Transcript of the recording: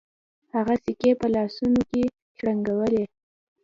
هغه سکې په لاسونو کې شرنګولې.